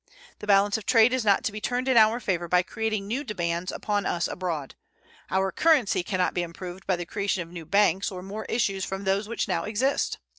The balance of trade is not to be turned in our favor by creating new demands upon us abroad. Our currency can not be improved by the creation of new banks or more issues from those which now exist.